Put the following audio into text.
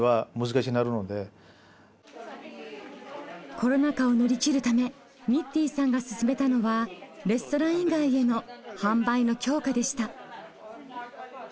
コロナ禍を乗り切るためニッティンさんが進めたのはレストラン以外への販売の強化でした。